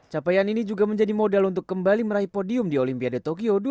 capaian ini juga menjadi modal untuk kembali meraih podium di olimpiade tokyo dua ribu dua puluh